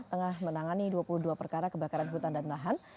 tengah menangani dua puluh dua perkara kebakaran hutan dan lahan